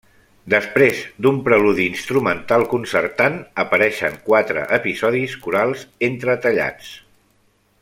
Després d'un preludi instrumental concertant, apareixen quatre episodis corals entretallats.